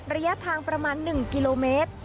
ระยะทางประมาณ๑กิโลเมตร